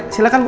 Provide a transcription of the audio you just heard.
oke silakan bu